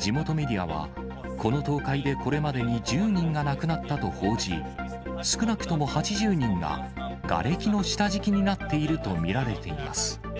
地元メディアは、この倒壊でこれまでに１０人が亡くなったと報じ、少なくとも８０人ががれきの下敷きになっていると見られています。